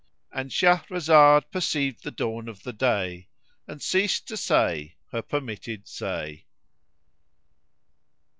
—And Shahrazad perceived the dawn of day and ceased to say her permitted say.